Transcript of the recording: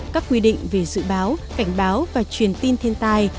các quy định về dự báo cảnh báo và truyền tin thiên tai